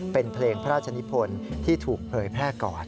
เป็นเพลงพระราชนิพลที่ถูกเผยแพร่ก่อน